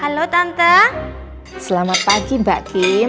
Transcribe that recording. halo tante selamat pagi mbak kim